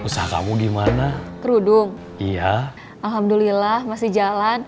sampai jumpa di video selanjutnya